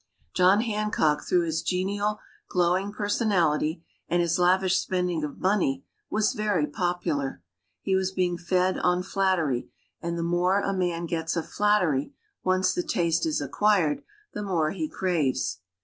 John Hancock, through his genial, glowing personality, and his lavish spending of money, was very popular. He was being fed on flattery, and the more a man gets of flattery, once the taste is acquired, the more he craves.